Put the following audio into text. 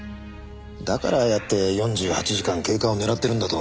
だからああやって４８時間経過を狙ってるんだと。